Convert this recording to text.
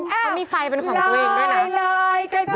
มันมีไฟของตัวเองด้วยนะ